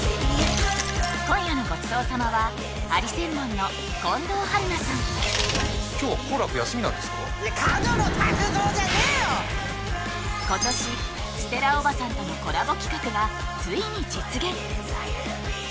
今夜のごちそう様は今年ステラおばさんとのコラボ企画がついに実現！